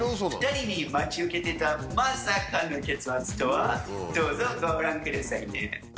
２人に待ち受けていたまさかの結末とは、どうぞ、ご覧くださいね。